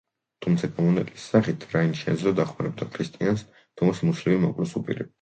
თუმცა გამონაკლისის სახით, რაინდ შეეძლო დახმარებოდა ქრისტიანს, თუ მას მუსლიმი მოკვლას უპირებდა.